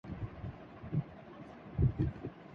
ایسی نماز سے گزر ، ایسے امام سے گزر